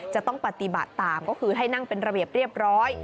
จะต้องปฏิบัติตามก็คือให้นั่งเป็นระเบียบเรียบร้อย